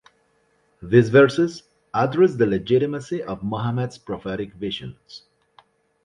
These verses address the legitimacy of Muhammad's prophetic visions.